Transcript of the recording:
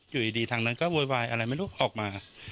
อยู่ดีทางนั้นก็โวยวายอะไรไม่รู้ออกมา